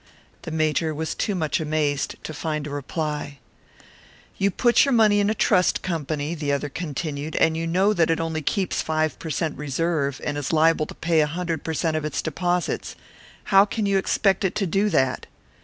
The Major was too much amazed to find a reply. "You put your money in a trust company," the other continued, "and you know that it only keeps five per cent reserve, and is liable to pay a hundred per cent of its deposits. How can you expect it to do that?"